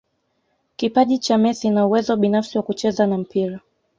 kipaji cha Messi na uwezo binafsi wa kucheza na mpira